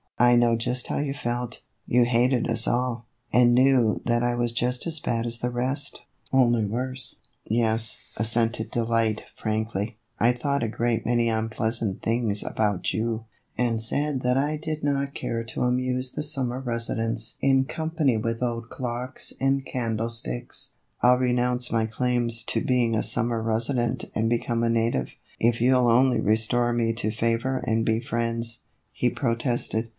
"I know just how you felt ; you hated us all, and knew that I was just as bad as the rest, only worse." " Yes," assented Delight, frankly, " I thought a great many unpleasant things about you, and said 132 THE EVOLUTION OF A BONNET. that I did not care to amuse the summer residents in company with old clocks and candlesticks." " I '11 renounce my claims to being a summer resident and become a native, if you '11 only restore me to favor and be friends," he protested.